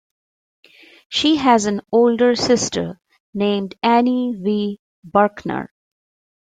She has an older sister named Annye V. Bruckner.